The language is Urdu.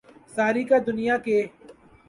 ساری کا دنیا کے